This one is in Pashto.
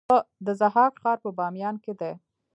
د ضحاک ښار په بامیان کې دی